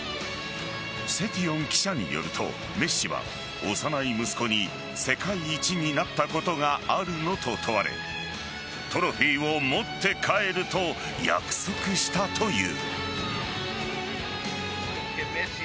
セティオン記者によるとメッシは幼い息子に世界一になったことがあるの？と問われトロフィーを持って帰ると約束したという。